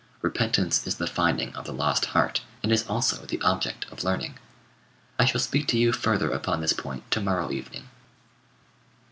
Repentance is the finding of the lost heart, and is also the object of learning. I shall speak to you further upon this point to morrow evening.